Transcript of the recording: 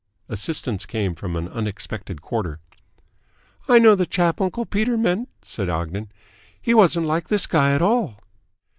Assistance came from an unexpected quarter. "I know the chap uncle Peter meant," said Ogden. "He wasn't like this guy at all."